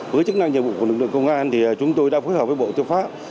với chức năng nhiệm vụ của lực lượng công an thì chúng tôi đã phối hợp với bộ tư pháp